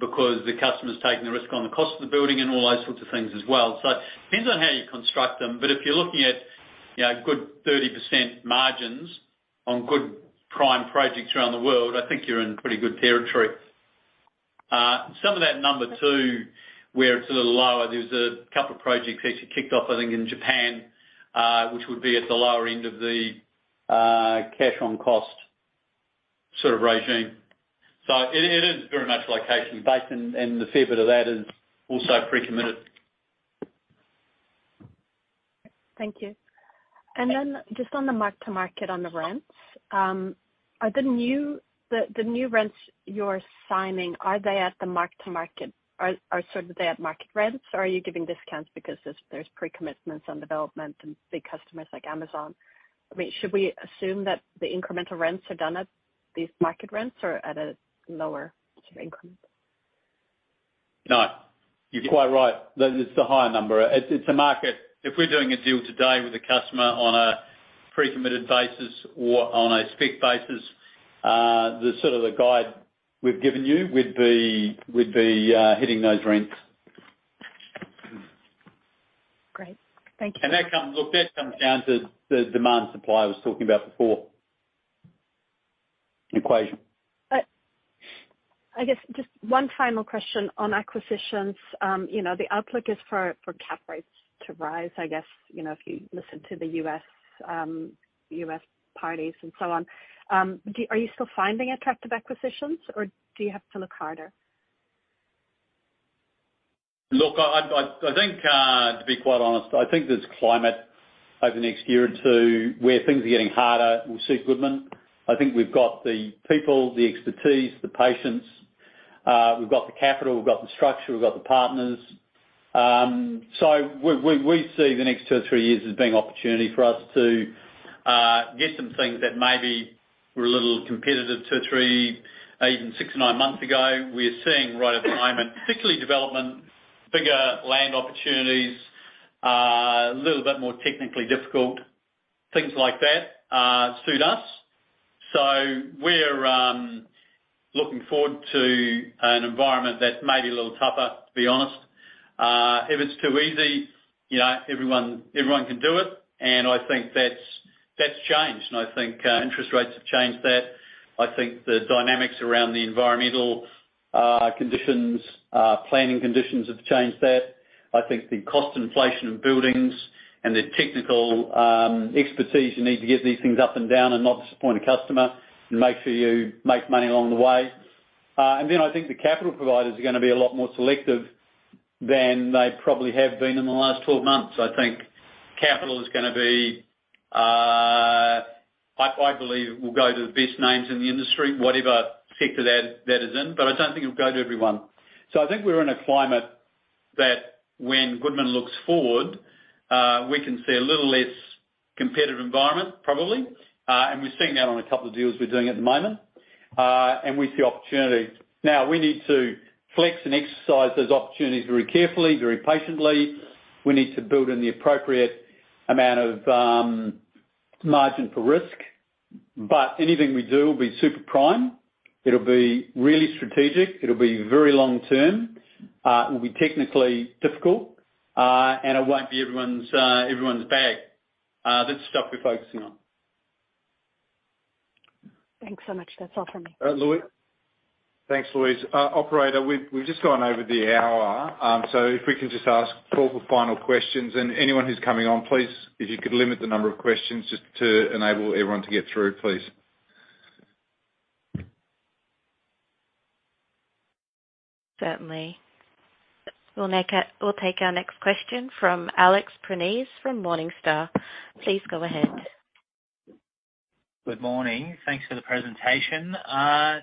because the customer's taking the risk on the cost of the building and all those sorts of things as well. It depends on how you construct them. If you're looking at, you know, good 30% margins on good prime projects around the world, I think you're in pretty good territory. Some of that number too, where it's a little lower, there's a couple of projects actually kicked off, I think in Japan, which would be at the lower end of the yield on cost sort of regime. It is very much location-based, and the fair bit of that is also pre-committed. Thank you. Just on the mark-to-market on the rents, are the new rents you're signing at the mark-to-market or are they, sort of, at market rents? Or are you giving discounts because there's pre-commitments on development and big customers like Amazon? I mean, should we assume that the incremental rents are done at these market rents or at a lower sort of increment? No, you're quite right. That it's the higher number. It's a market. If we're doing a deal today with a customer on a pre-committed basis or on a spec basis, the sort of the guide we've given you would be hitting those rents. Great. Thank you. Look, that comes down to the demand supply I was talking about before. Equation. I guess just one final question on acquisitions. You know, the outlook is for cap rates to rise. I guess, you know, if you listen to the U.S., U.S. parties and so on. Are you still finding attractive acquisitions or do you have to look harder? Look, I think, to be quite honest, I think this climate over the next year or two where things are getting harder. We'll see at Goodman. I think we've got the people, the expertise, the patience. We've got the capital, we've got the structure, we've got the partners. We see the next two or three years as being opportunity for us to get some things that maybe were a little competitive two or three, even six or nine months ago. We are seeing right at the moment, particularly development, bigger land opportunities, a little bit more technically difficult, things like that, suit us. We're looking forward to an environment that's maybe a little tougher, to be honest. If it's too easy, you know, everyone can do it. I think that's changed. I think interest rates have changed that. I think the dynamics around the environmental conditions, planning conditions have changed that. I think the cost inflation of buildings and the technical expertise you need to get these things up and down and not disappoint a customer and make sure you make money along the way. I think the capital providers are gonna be a lot more selective than they probably have been in the last 12 months. I think capital is gonna be. I believe it will go to the best names in the industry, whatever sector that is in, but I don't think it'll go to everyone. I think we're in a climate that when Goodman looks forward, we can see a little less competitive environment probably. We're seeing that on a couple of deals we're doing at the moment. We see opportunity. Now we need to flex and exercise those opportunities very carefully, very patiently. We need to build in the appropriate amount of margin for risk. Anything we do will be super prime. It'll be really strategic, it'll be very long-term, it will be technically difficult, and it won't be everyone's bag. That's the stuff we're focusing on. Thanks so much. That's all for me. Louise. Thanks, Louise. Operator, we've just gone over the hour. If we can just ask couple of final questions and anyone who's coming on, please, if you could limit the number of questions just to enable everyone to get through, please. Certainly. We'll take our next question from Alex Prineas from Morningstar. Please go ahead. Good morning. Thanks for the presentation.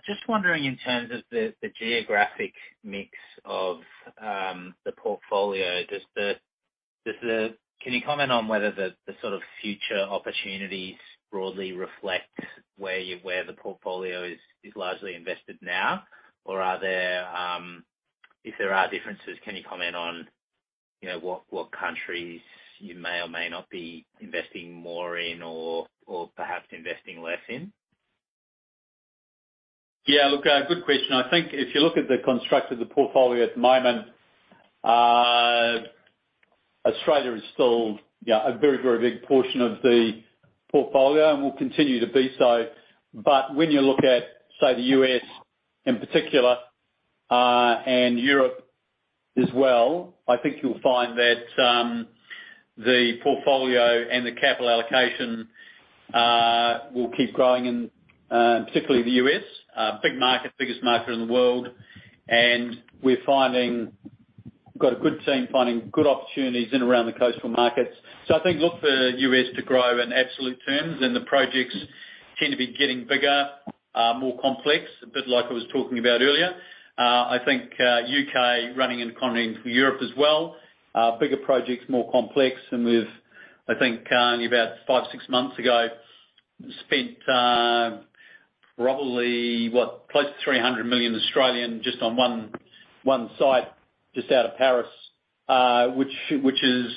Just wondering in terms of the geographic mix of the portfolio, can you comment on whether the sort of future opportunities broadly reflect where the portfolio is largely invested now? Or are there, if there are differences, can you comment on, you know, what countries you may or may not be investing more in or perhaps investing less in? Yeah. Look, a good question. I think if you look at the construct of the portfolio at the moment, Australia is still, you know, a very, very big portion of the portfolio and will continue to be so. When you look at, say, the U.S. in particular, and Europe as well, I think you'll find that the portfolio and the capital allocation will keep growing and, particularly the U.S., big market, biggest market in the world. We've got a good team finding good opportunities in and around the coastal markets. I think look for U.S. to grow in absolute terms, and the projects tend to be getting bigger. More complex, a bit like I was talking about earlier. I think U.K. running into continent from Europe as well. Bigger projects, more complex. We've, I think, only about five to six months ago, spent probably, what? Close to 300 million just on one site just out of Paris, which is,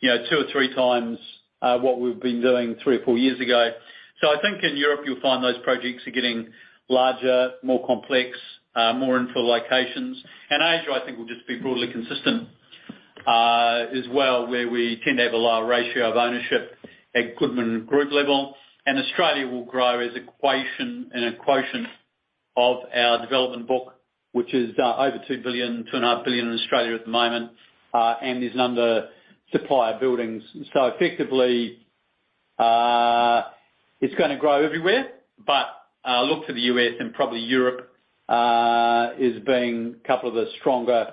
you know, two to three times what we've been doing three to four years ago. I think in Europe you'll find those projects are getting larger, more complex, more infill locations. Asia, I think will just be broadly consistent, as well, where we tend to have a lower ratio of ownership at Goodman Group level. Australia will grow as a function of our development book, which is over 2 billion-2.5 billion in Australia at the moment, and is undersupply buildings. Effectively, it's gonna grow everywhere, but look to the U.S. and probably Europe as being couple of the stronger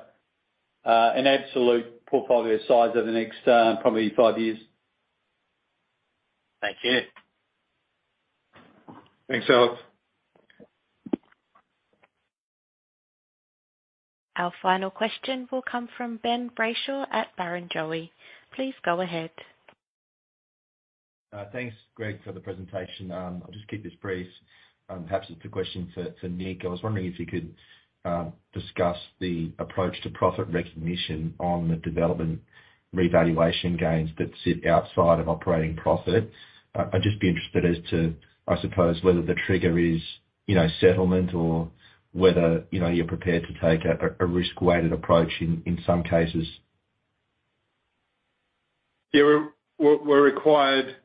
in absolute portfolio size over the next probably five years. Thank you. Thanks, Alex. Our final question will come from Ben Brayshaw at Barrenjoey. Please go ahead. Thanks, Greg, for the presentation. I'll just keep this brief. Perhaps it's a question to Nick. I was wondering if you could discuss the approach to profit recognition on the development revaluation gains that sit outside of operating profit. I'd just be interested as to, I suppose, whether the trigger is, you know, settlement or whether, you know, you're prepared to take a risk-weighted approach in some cases. Yeah. We're required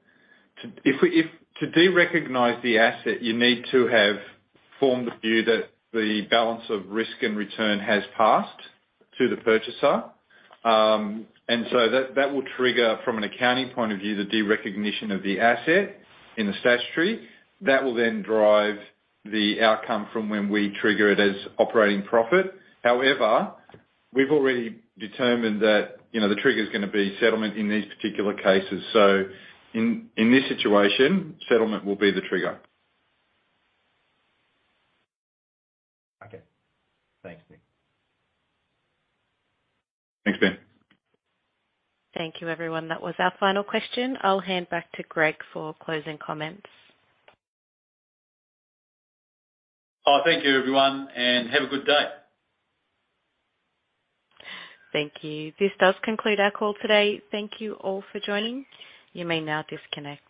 to. To derecognize the asset, you need to have formed the view that the balance of risk and return has passed to the purchaser. That will trigger from an accounting point of view, the derecognition of the asset in the statutory. That will then drive the outcome from when we trigger it as operating profit. However, we've already determined that, you know, the trigger's gonna be settlement in these particular cases. In this situation, settlement will be the trigger. Okay. Thanks, Nick. Thanks, Ben. Thank you, everyone. That was our final question. I'll hand back to Greg for closing comments. Thank you, everyone, and have a good day. Thank you. This does conclude our call today. Thank you all for joining. You may now disconnect.